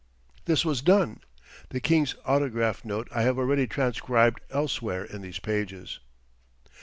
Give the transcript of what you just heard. This was done. The King's autograph note I have already transcribed elsewhere in these pages.